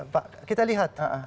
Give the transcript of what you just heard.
pak kita lihat